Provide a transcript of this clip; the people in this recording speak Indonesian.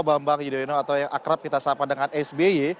bambang yudhoyono atau yang akrab kita sapa dengan sby